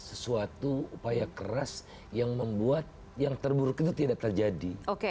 sesuatu upaya keras yang membuat yang terburuk itu tidak terjadi